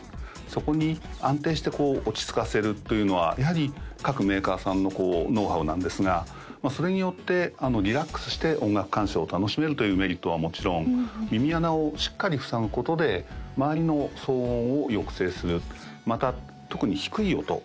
そこに安定してこう落ち着かせるというのはやはり各メーカーさんのノウハウなんですがそれによってリラックスして音楽鑑賞を楽しめるというメリットはもちろん耳穴をしっかり塞ぐことで周りの騒音を抑制するまた特に低い音